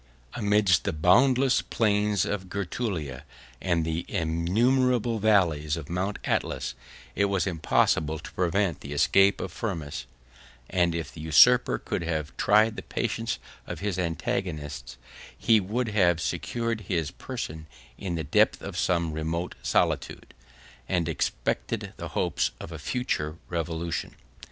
Amidst the boundless plains of Getulia, and the innumerable valleys of Mount Atlas, it was impossible to prevent the escape of Firmus; and if the usurper could have tired the patience of his antagonist, he would have secured his person in the depth of some remote solitude, and expected the hopes of a future revolution.